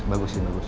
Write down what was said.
bagus sih bagus